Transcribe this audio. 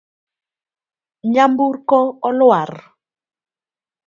Nyamburko oluar.